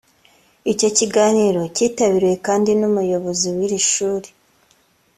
Icyo kiganiro kitabiriwe kandi n’Umuyobozi w’iri shuri